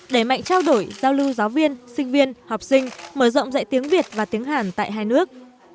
đẩy mạnh trao đổi giao lưu giáo viên sinh viên học sinh mở rộng dạy tiếng việt và tiếng hàn tại hai nước